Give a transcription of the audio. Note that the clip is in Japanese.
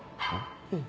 うん。